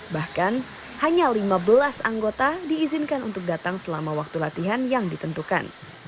bahkan hanya lima belas anggota diizinkan untuk datang selama waktu latihan yang ditentukan